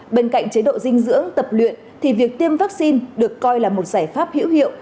bên cạnh chế độ dinh dưỡng tập luyện thì việc tiêm vaccine được coi là một giải pháp hữu hiệu